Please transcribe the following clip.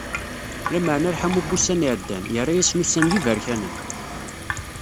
Lameεna lḥamu n wussan iεeddan, yerra-asen ussan d iberkanen.